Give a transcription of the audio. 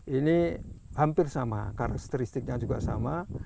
ini hampir sama karakteristiknya juga sama